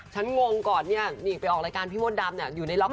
ฉันงงก่อนเนี่ยหนีไปออกรายการพี่โว้นดำอยู่ในล็อกเก็ต